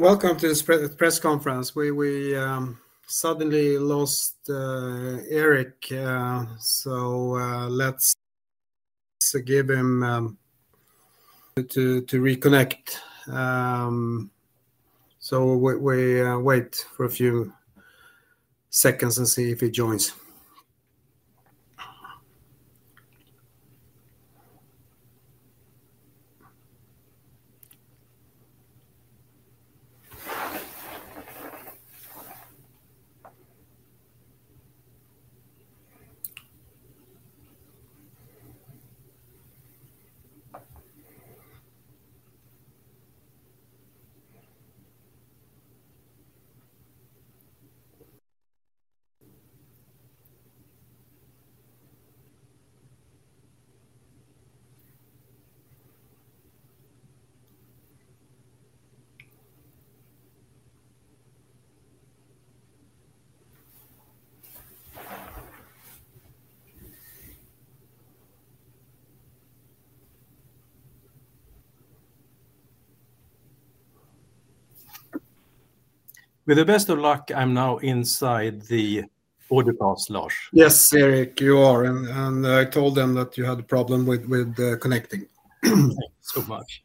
Welcome to the press conference. We suddenly lost Erik, so let's give him time to reconnect. We will wait for a few seconds and see if he joins. With the best of luck, I'm now inside the audiocast, Lars. Yes, Erik, you are. I told them that you had a problem with connecting. Thanks so much.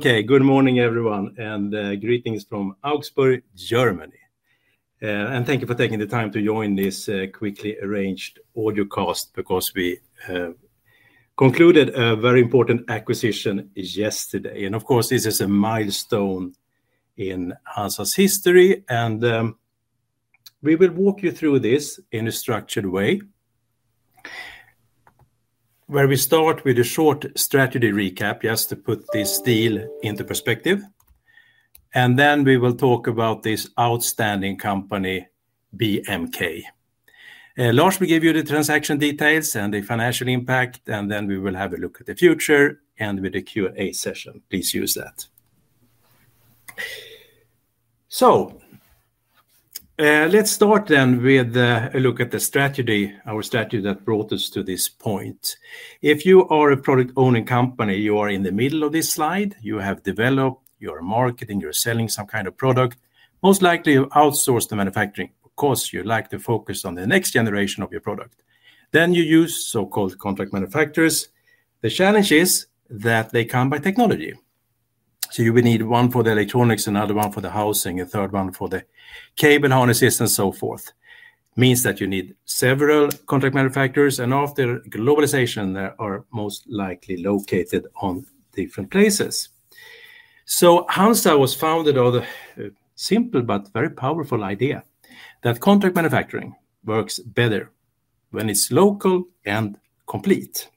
Good morning, everyone, and greetings from Augsburg, Germany. Thank you for taking the time to join this quickly arranged audiocast because we concluded a very important acquisition yesterday. This is a milestone in HANZA's history. We will walk you through this in a structured way where we start with a short strategy recap to put this deal into perspective. Then we will talk about this outstanding company, BMK. Lars will give you the transaction details and the financial impact, and then we will have a look at the future with a Q&A session. Please use that. Let's start then with a look at the strategy, our strategy that brought us to this point. If you are a product-only company, you are in the middle of this slide. You have developed, you are marketing, you're selling some kind of product. Most likely, you outsource the manufacturing because you like to focus on the next generation of your product. You use so-called contract manufacturers. The challenge is that they come by technology. You will need one for the electronics, another one for the housing, a third one for the cable harnesses, and so forth. It means that you need several contract manufacturers. After globalization, they are most likely located in different places. HANZA was founded on a simple but very powerful idea that contract manufacturing works better when it's local and complete.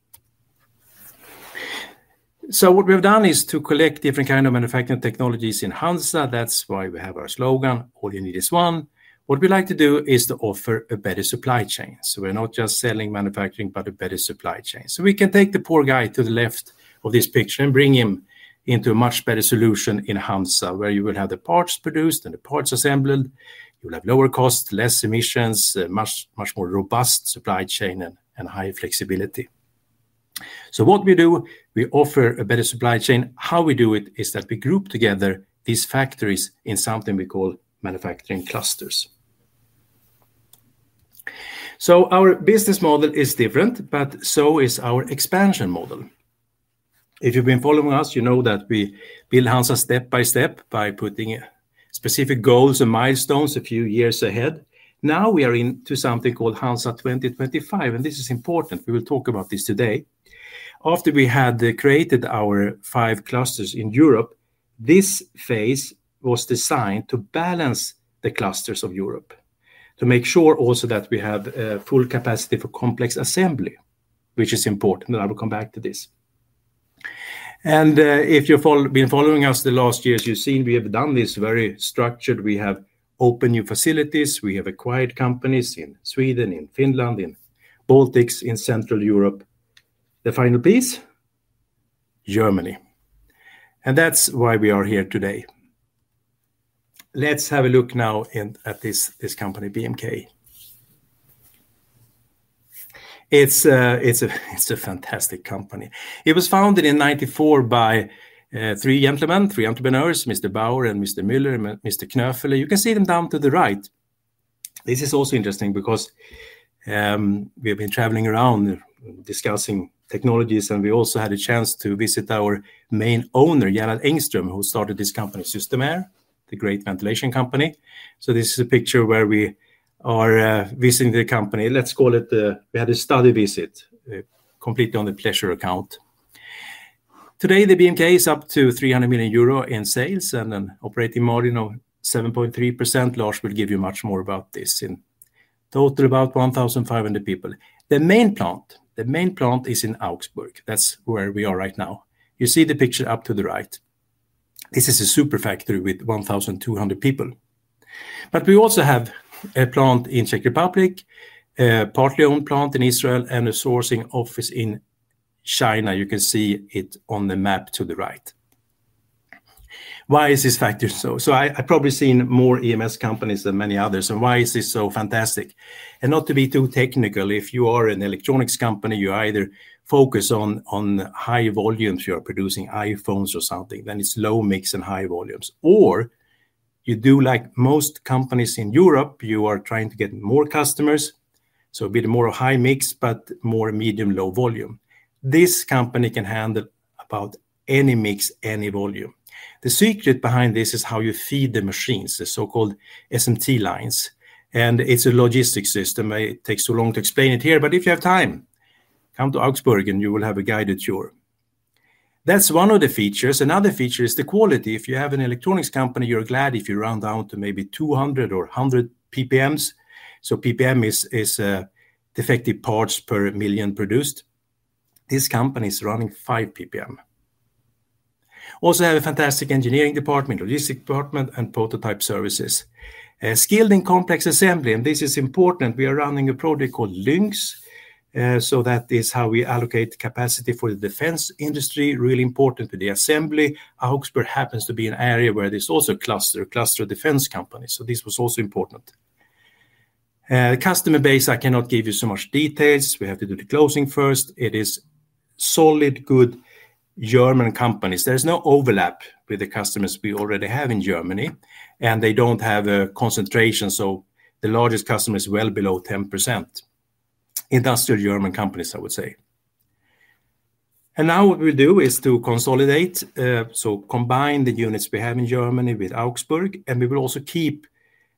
What we have done is to collect different kinds of manufacturing technologies in HANZA. That's why we have our slogan, "All you need is one." What we like to do is to offer a better supply chain. We're not just selling manufacturing, but a better supply chain. We can take the poor guy to the left of this picture and bring him into a much better solution in HANZA, where you will have the parts produced and the parts assembled. You'll have lower costs, less emissions, a much, much more robust supply chain, and high flexibility. What we do, we offer a better supply chain. How we do it is that we group together these factories in something we call manufacturing clusters. Our business model is different, but so is our expansion model. If you've been following us, you know that we build HANZA step by step by putting specific goals and milestones a few years ahead. Now we are into something called HANZA 2025, and this is important. We will talk about this today. After we had created our five clusters in Europe, this phase was designed to balance the clusters of Europe to make sure also that we have a full capacity for complex assembly, which is important. I will come back to this. If you've been following us the last years, you've seen we have done this very structured. We have opened new facilities. We have acquired companies in Sweden, in Finland, in Baltics, in Central Europe. The final piece, Germany. That's why we are here today. Let's have a look now at this company, BMK. It's a fantastic company. It was founded in 1994 by three gentlemen, three entrepreneurs, Mr. Bauer, Mr. Müller, and Mr. Knoefele. You can see them down to the right. This is also interesting because we have been traveling around discussing technologies, and we also had a chance to visit our main owner, Gerhard Engström, who started this company, Systemair, the great ventilation company. This is a picture where we are visiting the company. Let's call it, we had a study visit, completely on the pleasure account. Today, BMK is up to €300 million in sales and an operating margin of 7.3%. Lars will give you much more about this. In total, about 1,500 people. The main plant is in Augsburg. That's where we are right now. You see the picture up to the right. This is a super factory with 1,200 people. We also have a plant in the Czech Republic, a partly owned plant in Israel, and a sourcing office in China. You can see it on the map to the right. Why is this factory so? I've probably seen more electronics manufacturing services companies than many others. Why is this so fantastic? Not to be too technical, if you are an electronics company, you either focus on high volumes, you are producing iPhones or something, then it's low mix and high volumes. Or you do, like most companies in Europe, you are trying to get more customers, so a bit more high mix, but more medium-low volume. This company can handle about any mix, any volume. The secret behind this is how you feed the machines, the so-called SMT lines. It's a logistics system. It takes too long to explain it here, but if you have time, come to Augsburg, and you will have a guided tour. That's one of the features. Another feature is the quality. If you have an electronics company, you're glad if you run down to maybe 200 or 100 PPMs. PPM is defective parts per million produced. This company is running 5 PPM. Also, we have a fantastic engineering department, logistics department, and prototype services, skilled in complex assembly, and this is important. We are running a project called LINX, so that is how we allocate capacity for the defense industry, really important to the assembly. Augsburg happens to be an area where there's also clusters, cluster defense companies. This was also important. The customer base, I cannot give you so much details. We have to do the closing first. It is solid, good German companies. There is no overlap with the customers we already have in Germany, and they don't have a concentration. The largest customer is well below 10%. Industrial German companies, I would say. What we'll do is to consolidate, so combine the units we have in Germany with Augsburg, and we will also keep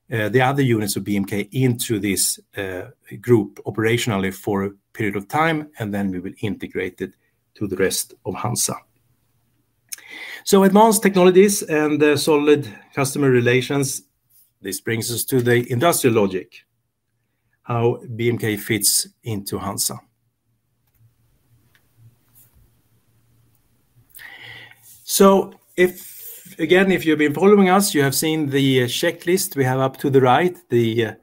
the other units of BMK into this group operationally for a period of time, and then we will integrate it to the rest of HANZA. Advanced technologies and solid customer relations, this brings us to the industrial logic, how BMK fits into HANZA. If, again, if you've been following us, you have seen the checklist we have up to the right, the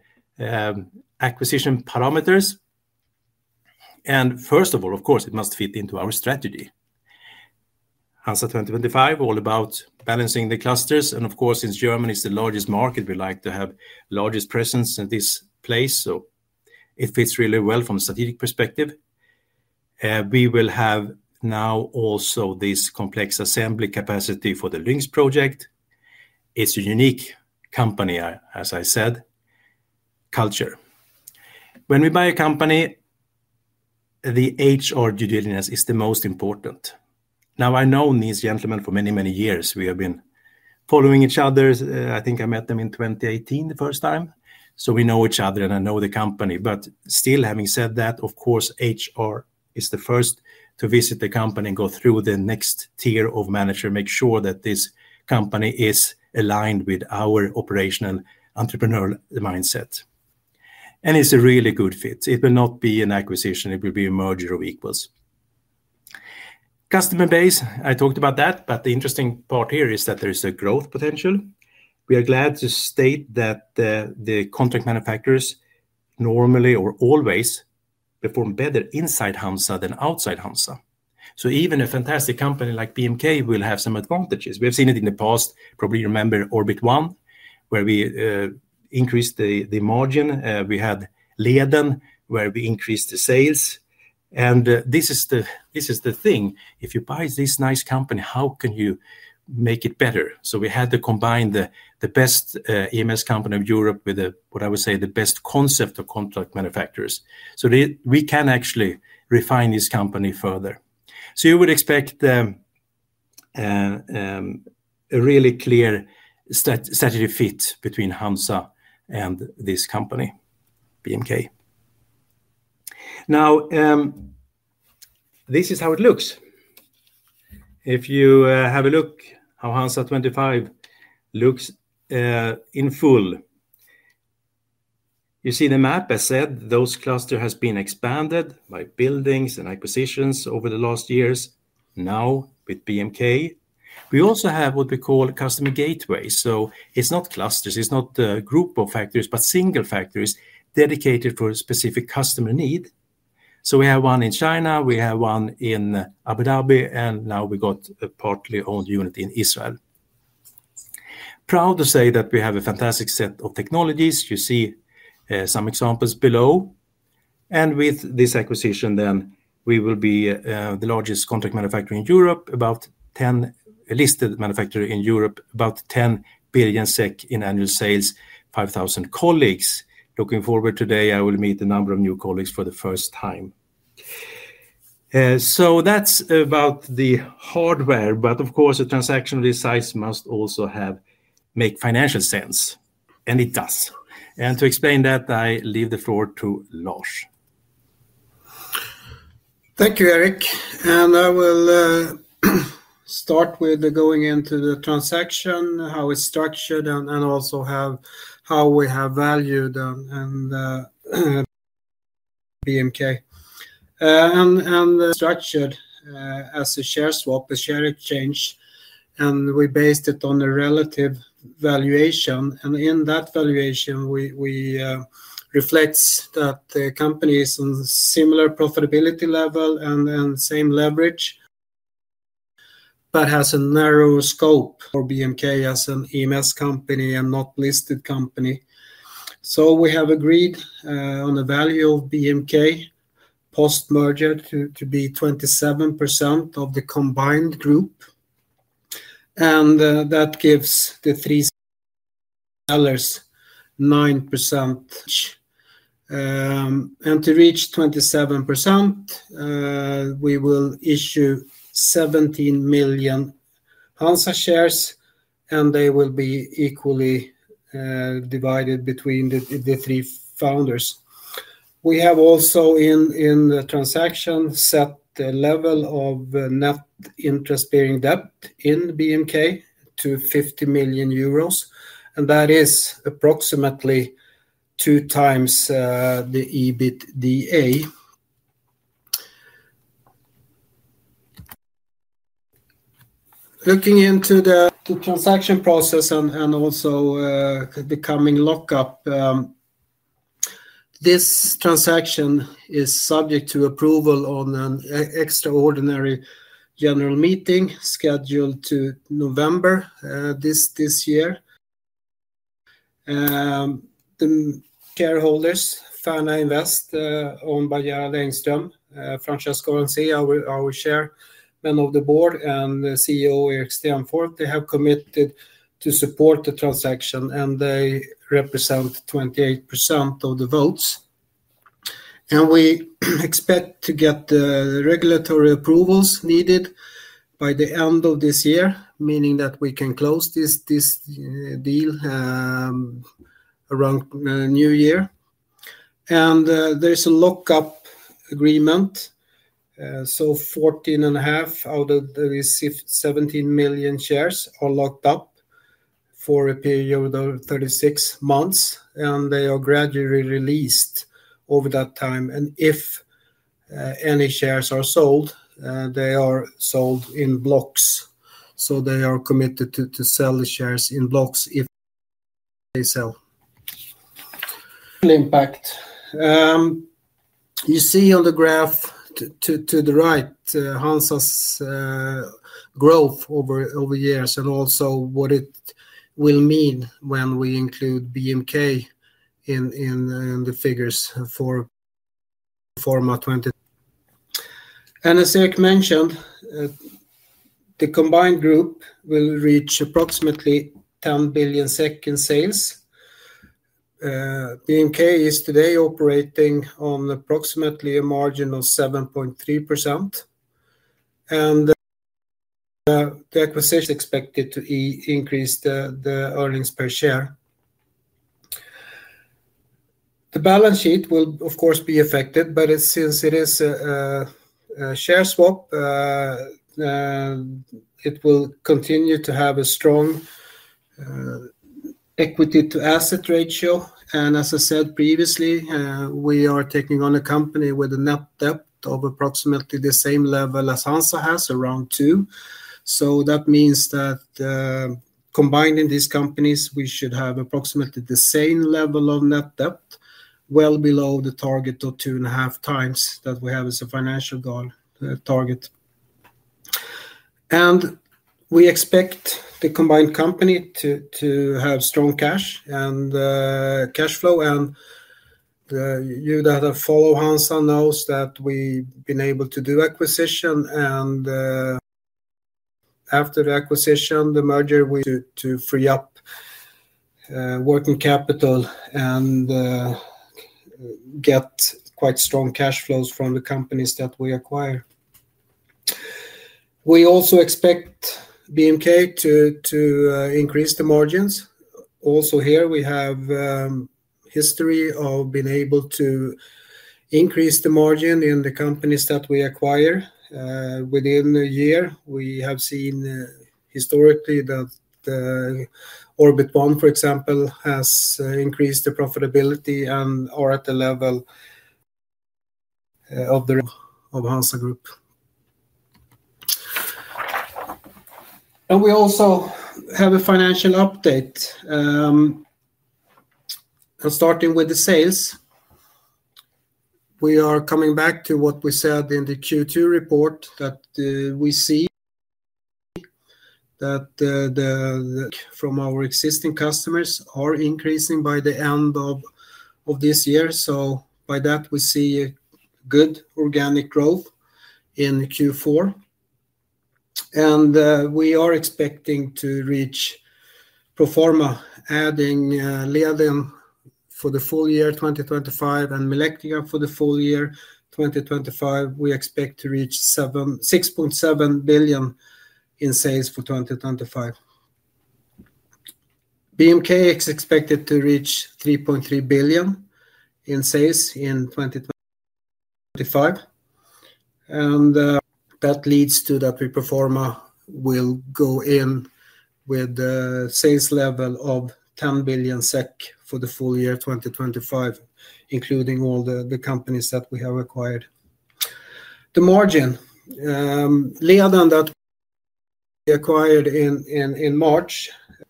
acquisition parameters. First of all, of course, it must fit into our strategy. HANZA 2025, all about balancing the clusters. Of course, since Germany is the largest market, we like to have the largest presence in this place. It fits really well from a strategic perspective. We will have now also this complex assembly capacity for the LINX project. It's a unique company, as I said, culture. When we buy a company, the HR due diligence is the most important. Now, I've known these gentlemen for many, many years. We have been following each other. I think I met them in 2018 the first time. We know each other, and I know the company. Still, having said that, of course, HR is the first to visit the company and go through the next tier of management, make sure that this company is aligned with our operational entrepreneurial mindset. It's a really good fit. It will not be an acquisition. It will be a merger of equals. Customer base, I talked about that, but the interesting part here is that there is a growth potential. We are glad to state that the contract manufacturers normally or always perform better inside HANZA than outside HANZA. Even a fantastic company like BMK will have some advantages. We have seen it in the past. Probably remember Orbit One, where we increased the margin. We had Leden, where we increased the sales. This is the thing. If you buy this nice company, how can you make it better? We had to combine the best electronics manufacturing services (EMS) company of Europe with what I would say is the best concept of contract manufacturers. We can actually refine this company further. You would expect a really clear strategic fit between HANZA and this company, BMK. Now, this is how it looks. If you have a look at how HANZA 2025 looks in full, you see the map. As I said, those clusters have been expanded by buildings and acquisitions over the last years. Now, with BMK, we also have what we call customer gateways. It's not clusters. It's not a group of factories, but single factories dedicated for a specific customer need. We have one in China. We have one in Abu Dhabi. Now we got a partly owned unit in Israel. Proud to say that we have a fantastic set of technologies. You see some examples below. With this acquisition, we will be the largest contract manufacturer in Europe, about 10 listed manufacturers in Europe, about 10 billion SEK in annual sales, 5,000 colleagues. Looking forward today, I will meet a number of new colleagues for the first time. That's about the hardware. Of course, a transaction of this size must also make financial sense. It does. To explain that, I leave the floor to Lars. Thank you, Erik. I will start with going into the transaction, how it's structured, and also how we have valued and BMK. It's structured as a share swap, a share exchange. We based it on a relative valuation. In that valuation, we reflect that the company is on a similar profitability level and same leverage, but has a narrow scope. BMK as an EMS company and not a listed company. We have agreed on the value of BMK post-merger to be 27% of the combined group. That gives the three sellers 9% each. To reach 27%, we will issue 17 million HANZA shares, and they will be equally divided between the three founders. We have also, in the transaction, set the level of net interest-bearing debt in BMK to €50 million. That is approximately two times the EBITDA. Looking into the transaction process and the coming lockup, this transaction is subject to approval on an extraordinary general meeting scheduled to November this year. The shareholders, FANA Invest, owned by Gerhard Engström, Francesco Franze, our Chairman of the Board, and CEO Erik Stenfors, have committed to support the transaction, and they represent 28% of the votes. We expect to get the regulatory approvals needed by the end of this year, meaning that we can close this deal around New Year. There's a lockup agreement. So 14.5 out of the received 17 million shares are locked up for a period of 36 months, and they are gradually released over that time. If any shares are sold, they are sold in blocks. They are committed to sell the shares in blocks if they sell. Impact. You see on the graph to the right HANZA's growth over the years and also what it will mean when we include BMK in the figures for May 2020. As Erik mentioned, the combined group will reach approximately 10 billion in sales. BMK is today operating on approximately a margin of 7.3%. The acquisition is expected to increase the earnings per share. The balance sheet will, of course, be affected, but since it is a share swap, it will continue to have a strong equity-to-asset ratio. As I said previously, we are taking on a company with a net debt of approximately the same level as HANZA has, around 2. That means that, combining these companies, we should have approximately the same level of net debt, well below the target of 2.5 times that we have as a financial goal, target. We expect the combined company to have strong cash and cash flow. You that have followed HANZA know that we've been able to do acquisition. After the acquisition, the merger, to free up working capital and get quite strong cash flows from the companies that we acquire. We also expect BMK to increase the margins. Also here, we have a history of being able to increase the margin in the companies that we acquire. Within a year, we have seen historically that Orbit One, for example, has increased the profitability and are at the level of the HANZA Group. We also have a financial update, starting with the sales. We are coming back to what we said in the Q2 report that we see that from our existing customers are increasing by the end of this year. By that, we see a good organic growth in Q4. We are expecting to reach Proforma, adding Leden for the full year 2025, and Milectria for the full year 2025. We expect to reach 7.6 billion in sales for 2025. BMK is expected to reach 3.3 billion in sales in 2025. That leads to that Proforma will go in with a sales level of 10 billion SEK for the full year 2025, including all the companies that we have acquired. The margin, Leden that we acquired in March,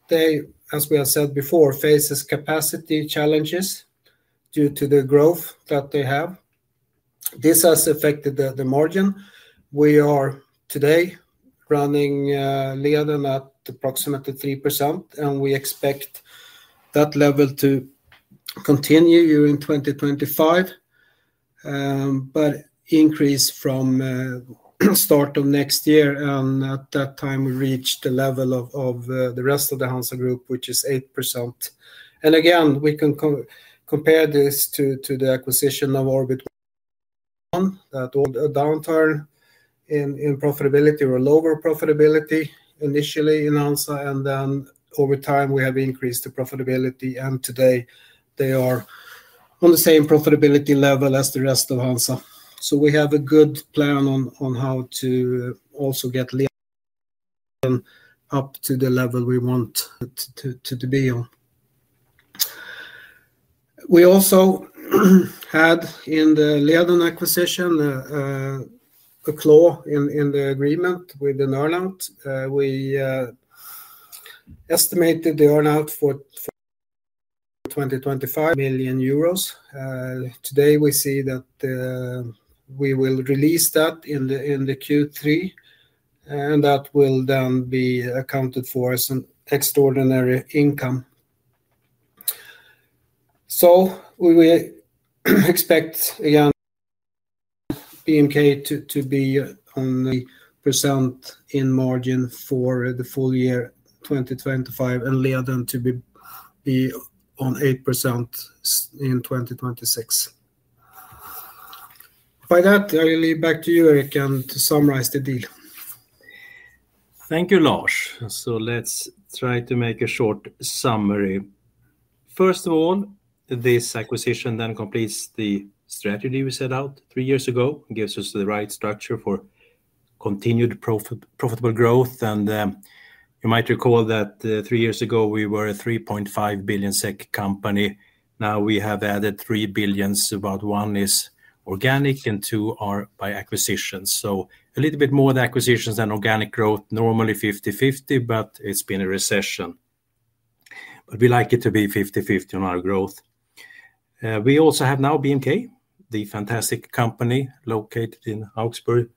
they, as we have said before, faces capacity challenges due to the growth that they have. This has affected the margin. We are today running Leden at approximately 3%. We expect that level to continue during 2025, but increase from start of next year. At that time, we reach the level of the rest of the HANZA Group, which is 8%. Again, we can compare this to the acquisition of Orbit One that a downturn in profitability or a lower profitability initially in HANZA. Then over time, we have increased the profitability. Today, they are on the same profitability level as the rest of HANZA. We have a good plan on how to also get Leden up to the level we want to be on. We also had in the Leden acquisition a claw in the agreement with the earnout. We estimated the earnout for 2025 at 5 million euros. Today, we see that we will release that in the Q3. That will then be accounted for as an extraordinary income. We expect BMK to be on 3% in margin for the full year 2025 and Leden to be on 8% in 2026. By that, I leave it back to you, Erik, to summarize the deal. Thank you, Lars. Let's try to make a short summary. First of all, this acquisition then completes the strategy we set out three years ago. It gives us the right structure for continued profitable growth. You might recall that three years ago, we were a 3.5 billion SEK company. Now we have added 3 billion. About 1 billion is organic and 2 billion are by acquisitions. A little bit more of the acquisitions than organic growth. Normally, 50/50, but it's been a recession. We like it to be 50/50 on our growth. We also have now BMK, the fantastic company located in Augsburg,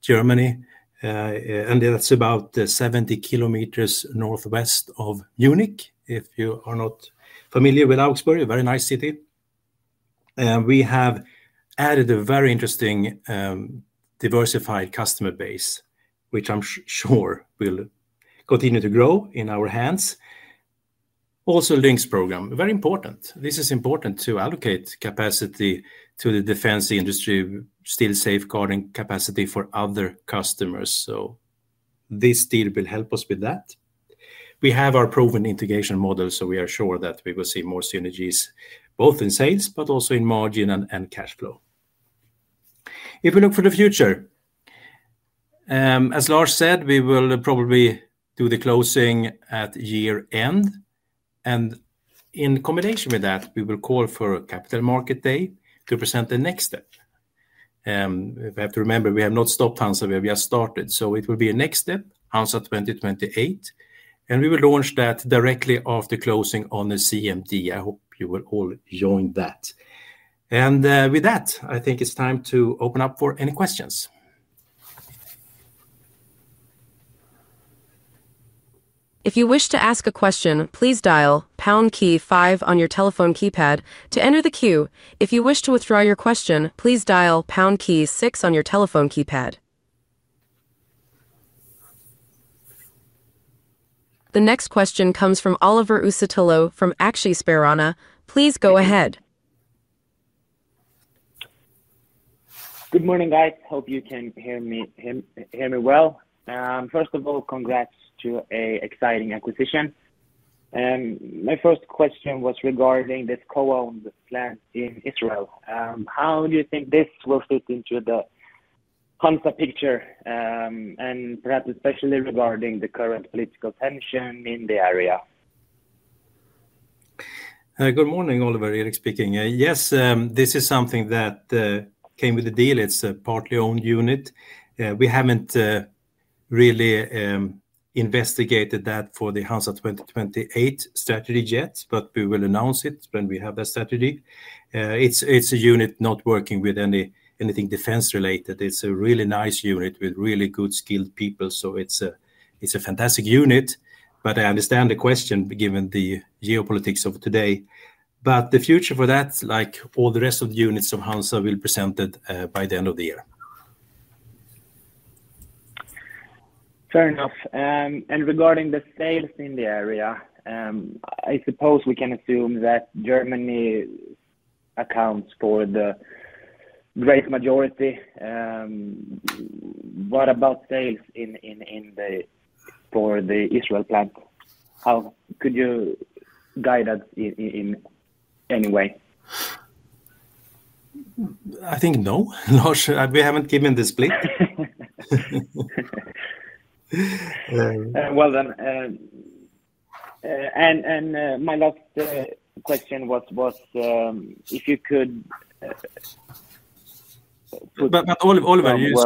Germany, and that's about 70 kilometers northwest of Munich. If you are not familiar with Augsburg, a very nice city. We have added a very interesting, diversified customer base, which I'm sure will continue to grow in our hands. Also, LINX program, very important. This is important to allocate capacity to the defense industry, still safeguarding capacity for other customers. This deal will help us with that. We have our proven integration model, so we are sure that we will see more synergies both in sales but also in margin and cash flow. If we look for the future, as Lars said, we will probably do the closing at year end. In combination with that, we will call for Capital Market Day to present the next step. We have to remember we have not stopped HANZA. We have just started. It will be a next step, HANZA 2028. We will launch that directly after closing on the CMT. I hope you will all join that. With that, I think it's time to open up for any questions. If you wish to ask a question, please dial pound key five on your telephone keypad to enter the queue. If you wish to withdraw your question, please dial pound key six on your telephone keypad. The next question comes from Oliver Usitello from Axii Sperana. Please go ahead. Good morning, guys. Hope you can hear me well. First of all, congrats to an exciting acquisition. My first question was regarding this co-owned plant in Israel. How do you think this will fit into the HANZA picture, and perhaps especially regarding the current political tension in the area? Good morning, Oliver. Erik speaking. Yes, this is something that came with the deal. It's a partly owned unit. We haven't really investigated that for the HANZA 2028 strategy yet, but we will announce it when we have that strategy. It's a unit not working with anything defense-related. It's a really nice unit with really good skilled people. It's a fantastic unit. I understand the question given the geopolitics of today. The future for that, like all the rest of the units of HANZA, will be presented by the end of the year. Fair enough. Regarding the sales in the area, I suppose we can assume that Germany accounts for the great majority. What about sales for the Israel plant? How could you guide us in any way? I think no, Lars. We haven't given the split. My last question was if you could put. Oliver, you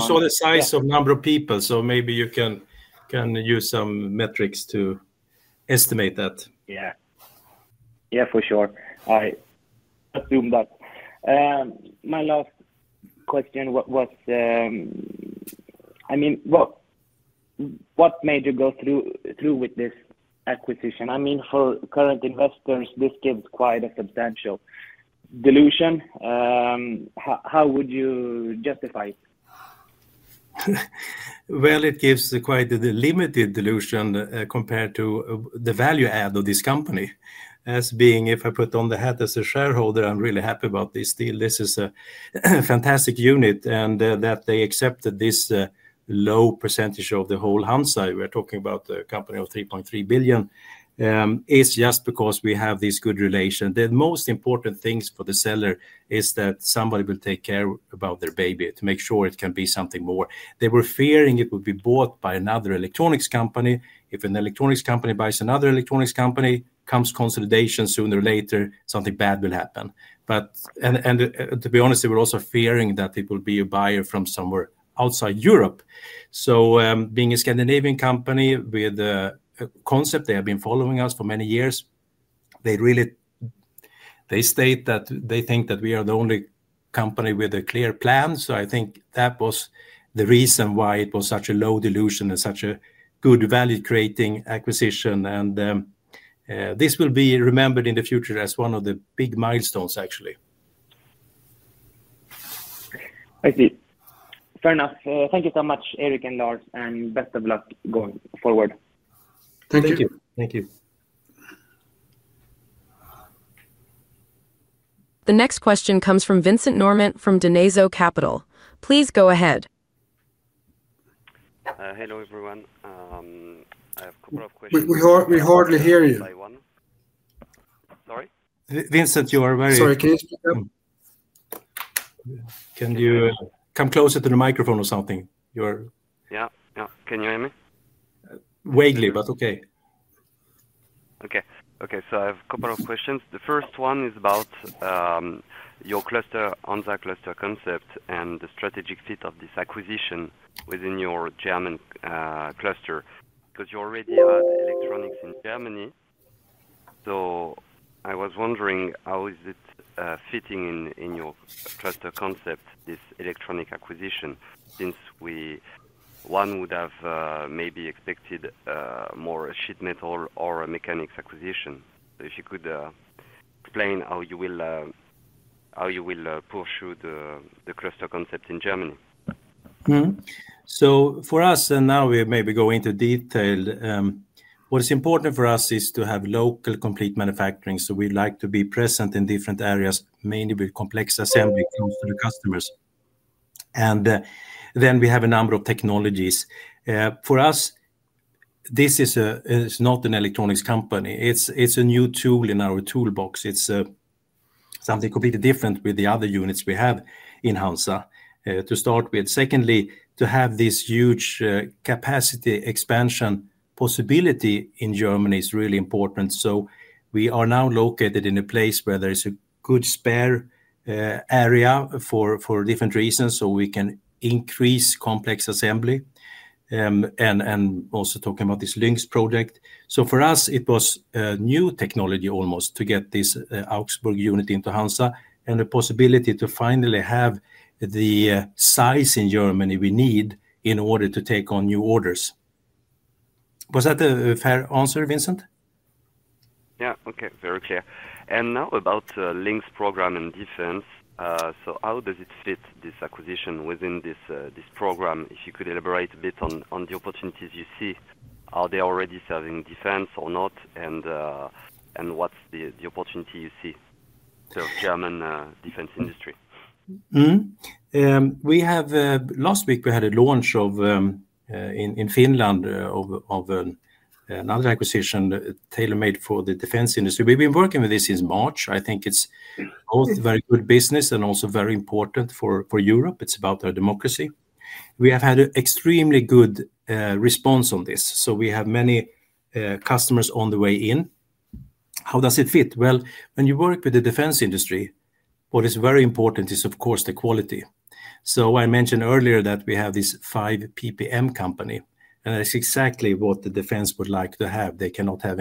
saw the size of the number of people, so maybe you can use some metrics to estimate that. Yeah, for sure. I assume that. My last question was, I mean, what made you go through with this acquisition? I mean, for current investors, this gives quite a substantial dilution. How would you justify it? It gives quite a limited dilution, compared to the value add of this company as being, if I put on the hat as a shareholder, I'm really happy about this deal. This is a fantastic unit, and that they accepted this low % of the whole HANZA. We're talking about a company of 3.3 billion. It's just because we have this good relation. The most important thing for the seller is that somebody will take care about their baby to make sure it can be something more. They were fearing it would be bought by another electronics company. If an electronics company buys another electronics company, comes consolidation sooner or later, something bad will happen. To be honest, they were also fearing that it will be a buyer from somewhere outside Europe. Being a Scandinavian company with a concept, they have been following us for many years. They really state that they think that we are the only company with a clear plan. I think that was the reason why it was such a low dilution and such a good value-creating acquisition. This will be remembered in the future as one of the big milestones, actually. I see. Fair enough. Thank you so much, Erik and Lars, and best of luck going forward. Thank you. Thank you. Thank you. The next question comes from Vincent Norman from Dineso Capital. Please go ahead. Hello, everyone. I have a couple of questions. We hardly hear you. Sorry? Vincent, you are very. Sorry, can you speak up? Can you come closer to the microphone or something? You are. Yeah, yeah. Can you hear me? Vaguely, but okay. Okay. I have a couple of questions. The first one is about your cluster, HANZA cluster concept, and the strategic fit of this acquisition within your German cluster because you already had electronics in Germany. I was wondering how is it fitting in your cluster concept, this electronic acquisition, since we, one, would have maybe expected more a sheet metal or a mechanics acquisition? If you could explain how you will pursue the cluster concept in Germany. So for us, and now we maybe go into detail, what is important for us is to have local complete manufacturing. We'd like to be present in different areas, mainly with complex assembly close to the customers. We have a number of technologies. For us, this is not an electronics company. It's a new tool in our toolbox. It's something completely different with the other units we have in HANZA, to start with. Secondly, to have this huge capacity expansion possibility in Germany is really important. We are now located in a place where there is a good spare area for different reasons, so we can increase complex assembly, and also talking about this LINX program. For us, it was a new technology almost to get this Augsburg unit into HANZA and the possibility to finally have the size in Germany we need in order to take on new orders. Was that a fair answer, Vincent? Yeah. Okay. Very clear. Now about the LINX program in defense, how does it fit, this acquisition, within this program? If you could elaborate a bit on the opportunities you see. Are they already serving defense or not, and what's the opportunity you see for German defense industry? We have, last week, we had a launch in Finland of another acquisition tailor-made for the defense industry. We've been working with this since March. I think it's both very good business and also very important for Europe. It's about our democracy. We have had an extremely good response on this. We have many customers on the way in. How does it fit? When you work with the defense industry, what is very important is, of course, the quality. I mentioned earlier that we have this 5 PPM company, and that's exactly what the defense would like to have. They cannot have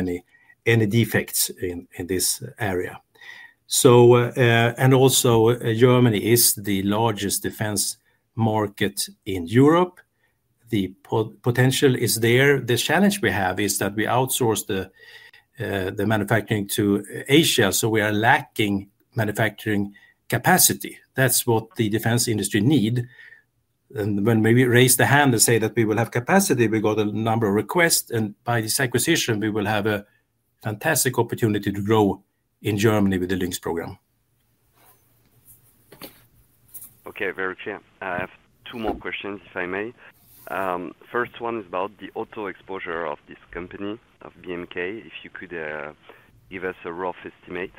any defects in this area. Also, Germany is the largest defense market in Europe. The potential is there. The challenge we have is that we outsource the manufacturing to Asia. We are lacking manufacturing capacity. That's what the defense industry needs. When we raise the hand and say that we will have capacity, we got a number of requests. By this acquisition, we will have a fantastic opportunity to grow in Germany with the LINX program. Okay. Very clear. I have two more questions, if I may. The first one is about the auto exposure of this company, of BMK. If you could, give us a rough estimate.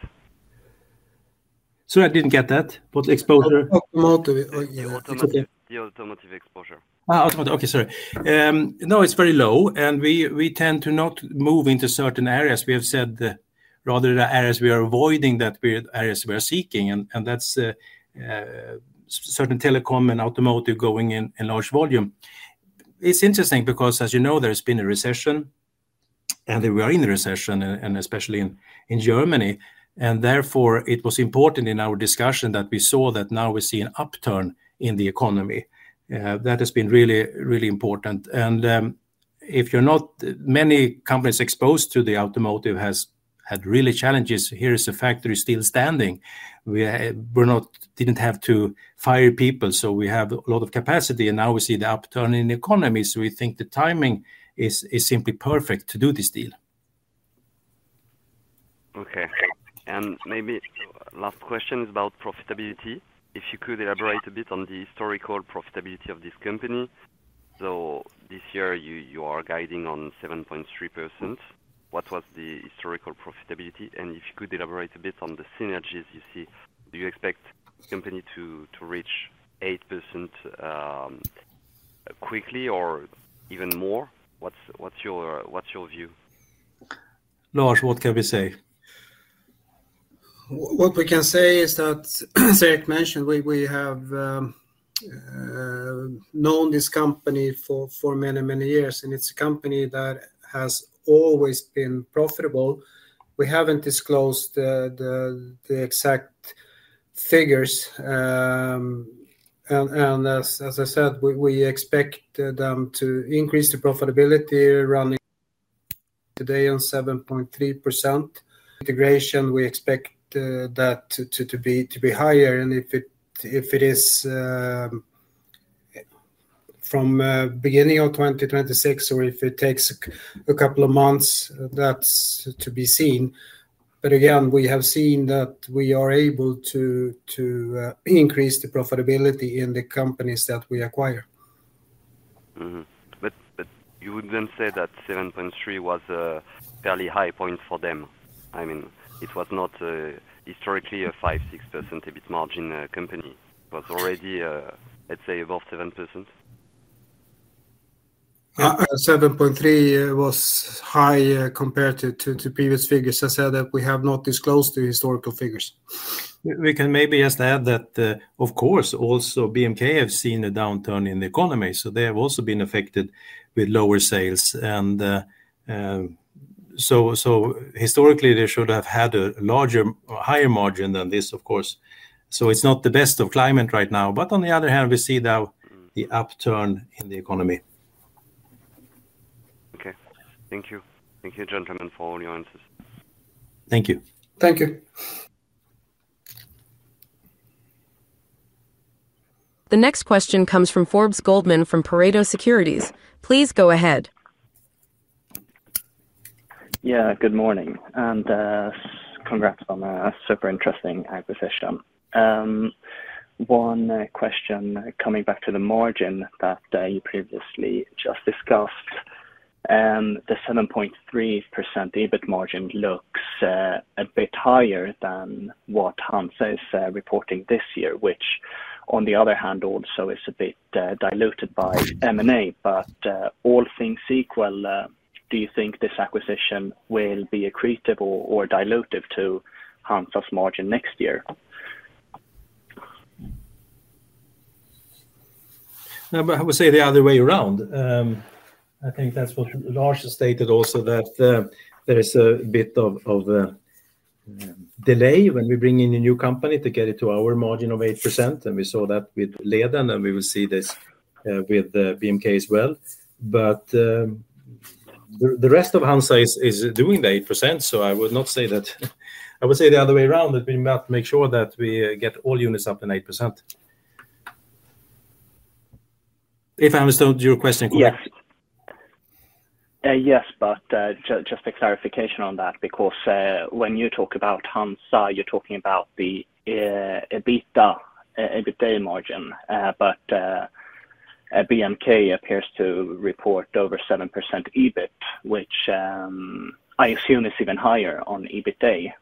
Sorry, I didn't get that. What exposure? Automotive, oh yeah. The automotive exposure. Automotive. Okay. Sorry. No, it's very low. We tend to not move into certain areas. We have said rather the areas we are avoiding than the areas we are seeking, and that's certain telecom and automotive going in large volume. It's interesting because, as you know, there has been a recession. We are in a recession, especially in Germany. Therefore, it was important in our discussion that we saw that now we see an upturn in the economy. That has been really, really important. If you note, many companies exposed to automotive have had real challenges. Here is a factory still standing. We did not have to fire people, so we have a lot of capacity. Now we see the upturn in the economy, so we think the timing is simply perfect to do this deal. Okay. Maybe last question is about profitability. If you could elaborate a bit on the historical profitability of this company. This year, you are guiding on 7.3%. What was the historical profitability? If you could elaborate a bit on the synergies you see. Do you expect this company to reach 8% quickly or even more? What's your view? Lars, what can we say? What we can say is that, as Erik mentioned, we have known this company for many, many years. It's a company that has always been profitable. We haven't disclosed the exact figures, and as I said, we expect them to increase the profitability. We're running today on 7.3%. Integration, we expect that to be higher. If it is from the beginning of 2026 or if it takes a couple of months, that's to be seen. We have seen that we are able to increase the profitability in the companies that we acquire. You would then say that 7.3% was a fairly high point for them. I mean, it was not historically a 5% or 6% EBIT margin company. It was already, let's say, above 7%. 7.3 was high compared to previous figures. I said that we have not disclosed the historical figures. We can maybe just add that, of course, also BMK has seen a downturn in the economy. They have also been affected with lower sales, so historically, they should have had a larger or higher margin than this, of course. It's not the best of climate right now. On the other hand, we see now the upturn in the economy. Okay. Thank you. Thank you, gentlemen, for all your answers. Thank you. Thank you. The next question comes from Forbes Goldman from Pareto Securities. Please go ahead. Good morning. Congrats on a super interesting acquisition. One question, coming back to the margin that you previously just discussed. The 7.3% EBIT margin looks a bit higher than what HANZA is reporting this year, which on the other hand also is a bit diluted by M&A. All things equal, do you think this acquisition will be accretive or dilutive to HANZA's margin next year? I would say the other way around. I think that's what Lars Åkerblom has stated also, that there is a bit of delay when we bring in a new company to get it to our margin of 8%. We saw that with Leden, and we will see this with BMK as well. The rest of HANZA is doing the 8%. I would not say that. I would say the other way around. We must make sure that we get all units up in 8% if I understood your question correctly. Yes, just a clarification on that because, when you talk about HANZA, you're talking about the EBITDA, EBITDA margin. BMK appears to report over 7% EBIT, which I assume is even higher on EBITDA.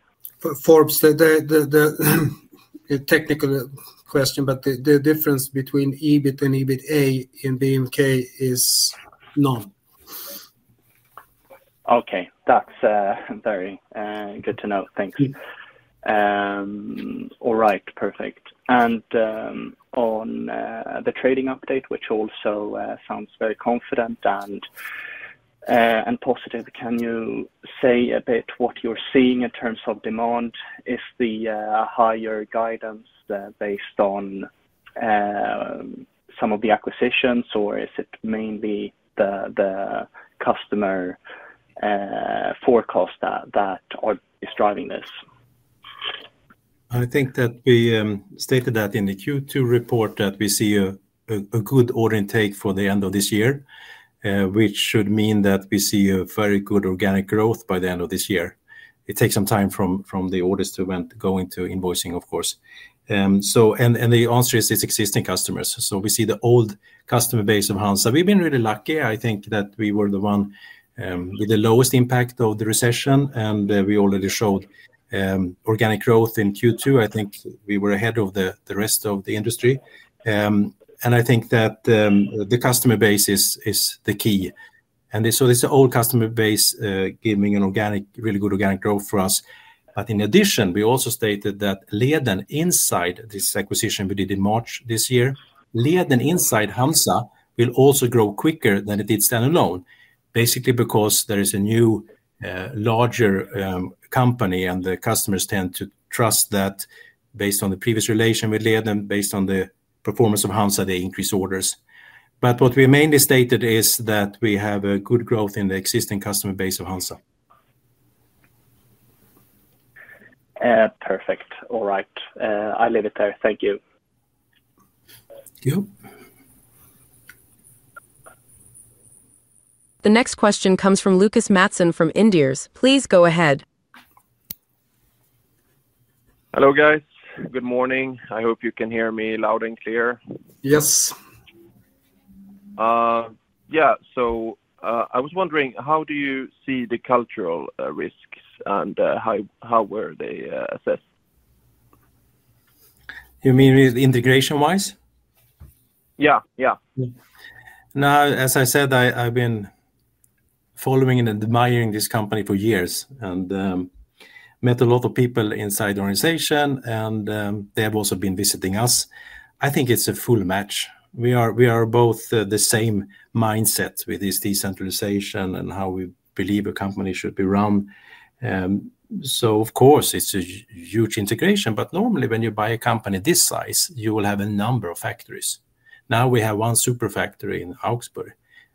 Forbes, the technical question, but the difference between EBIT and EBITDA in BMK is none. Okay, that's very good to know. Thanks. Yes. All right. Perfect. On the trading update, which also sounds very confident and positive, can you say a bit what you're seeing in terms of demand? Is the higher guidance based on some of the acquisitions, or is it mainly the customer forecast that is driving this? I think that we stated that in the Q2 report, that we see a good order intake for the end of this year, which should mean that we see a very good organic growth by the end of this year. It takes some time from the orders to go into invoicing, of course. The answer is it's existing customers. We see the old customer base of HANZA. We've been really lucky. I think that we were the one with the lowest impact of the recession, and we already showed organic growth in Q2. I think we were ahead of the rest of the industry. I think that the customer base is the key. This is the old customer base giving a really good organic growth for us. In addition, we also stated that Leden, inside this acquisition we did in March this year, Leden inside HANZA will also grow quicker than it did stand alone, basically because there is a new, larger company. The customers tend to trust that based on the previous relation with Leden, based on the performance of HANZA, they increase orders. What we mainly stated is that we have a good growth in the existing customer base of HANZA. Perfect. All right. I leave it there. Thank you. Yep. The next question comes from Lucas Mattsson from Inderes. Please go ahead. Hello, guys. Good morning. I hope you can hear me loud and clear. Yes. Yeah, I was wondering, how do you see the cultural risks, and how were they assessed? You mean integration-wise? Yeah. Yeah. Now, as I said, I've been following and admiring this company for years. I met a lot of people inside the organization. They have also been visiting us. I think it's a full match. We are both the same mindset with this decentralization and how we believe a company should be run. Of course, it's a huge integration. Normally, when you buy a company this size, you will have a number of factories. Now we have one super factory in Augsburg.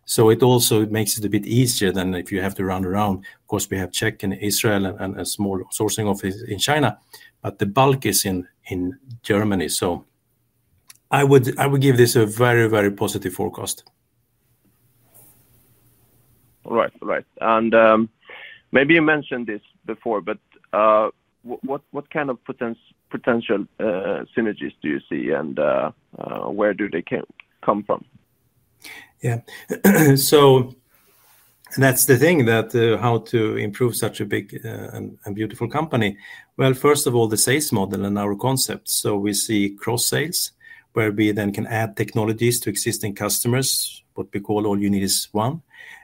It also makes it a bit easier than if you have to run around. We have Czech in Israel and a small sourcing office in China. The bulk is in Germany. I would give this a very, very positive forecast. All right. Maybe you mentioned this before, but what kind of potential synergies do you see and where do they come from? That's the thing, how to improve such a big and beautiful company. First of all, the sales model and our concept. We see cross-sales where we then can add technologies to existing customers, what we call all you need is one.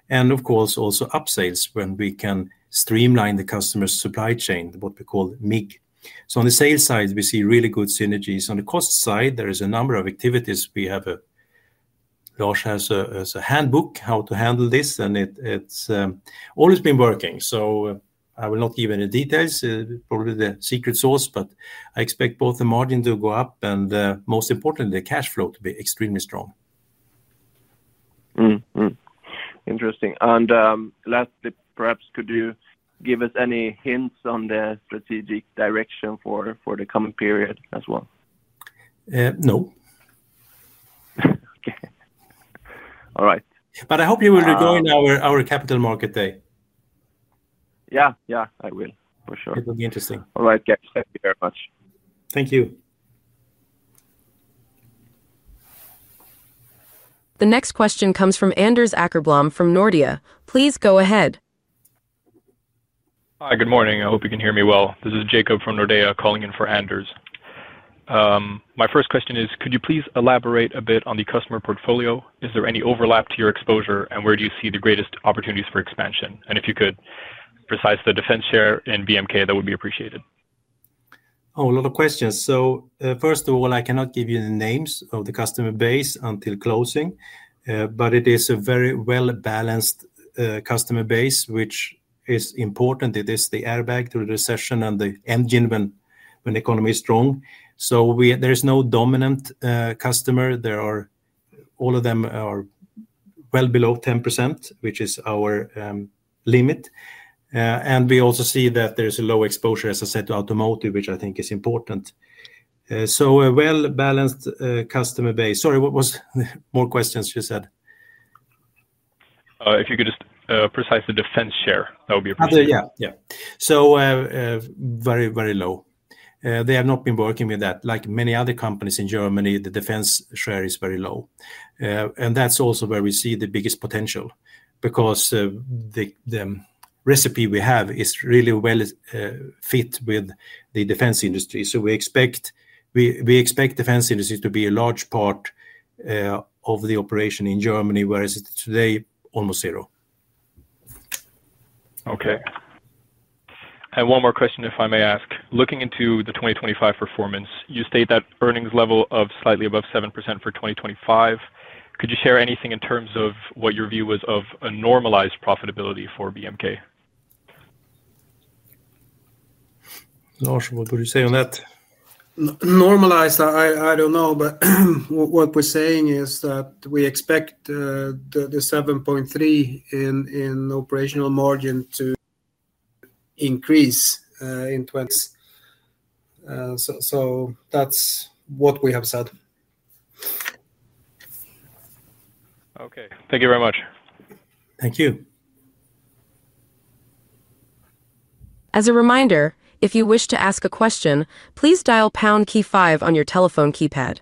Of course, also upsales when we can streamline the customer's supply chain, what we call MIG. On the sales side, we see really good synergies. On the cost side, there is a number of activities. Lars has a handbook how to handle this, and it's always been working. I will not give any details, probably the secret sauce. I expect both the margin to go up and, most importantly, the cash flow to be extremely strong. Interesting. Lastly, perhaps, could you give us any hints on the strategic direction for the coming period as well? No. Okay, all right. I hope you will join our Capital Market Day. Yeah, I will for sure. It will be interesting. All right, guys. Thank you very much. Thank you. The next question comes from Anders Åkerblom from Nordea. Please go ahead. Hi. Good morning. I hope you can hear me well. This is Jakob from Nordea calling in for Anders. My first question is, could you please elaborate a bit on the customer portfolio? Is there any overlap to your exposure, and where do you see the greatest opportunities for expansion? If you could precise the defense share in BMK, that would be appreciated. Oh, a lot of questions. First of all, I cannot give you the names of the customer base until closing, but it is a very well-balanced customer base, which is important. It is the airbag through the recession and the engine when the economy is strong. There is no dominant customer. All of them are well below 10%, which is our limit. We also see that there is a low exposure, as I said, to automotive, which I think is important. A well-balanced customer base. Sorry, what was more questions you said? If you could just, precise the defense share, that would be appreciated. Yeah, very, very low. They have not been working with that. Like many other companies in Germany, the defense share is very low. That's also where we see the biggest potential because the recipe we have is really well fit with the defense industry. We expect defense industry to be a large part of the operation in Germany, whereas today, almost zero. Okay. One more question, if I may ask. Looking into the 2025 performance, you state that earnings level of slightly above 7% for 2025. Could you share anything in terms of what your view was of a normalized profitability for BMK? Lars, what would you say on that? I don't know. What we're saying is that we expect the 7.3% in operating margin to increase. That's what we have said. Okay, thank you very much. Thank you. As a reminder, if you wish to ask a question, please dial pound key five on your telephone keypad.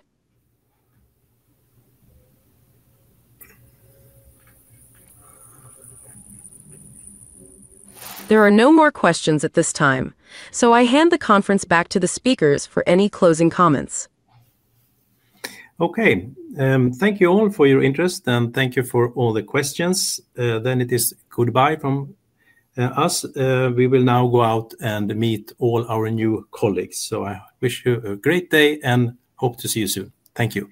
There are no more questions at this time. I hand the conference back to the speakers for any closing comments. Okay. Thank you all for your interest, and thank you for all the questions. It is goodbye from us. We will now go out and meet all our new colleagues. I wish you a great day and hope to see you soon. Thank you.